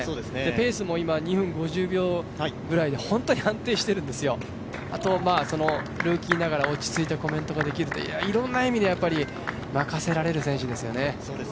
ペースも今、２分５０秒ぐらいで本当に安定してるんですよ、あと、ルーキーながら落ち着いたコメントもできるという、いろんな意味で任せられる選手ですよね。